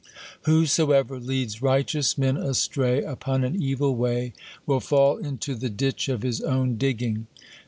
Whosoever leads righteous men astray upon an evil way, will fall into the ditch of his own digging!"